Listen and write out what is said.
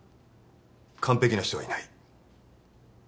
「完璧な人はいない」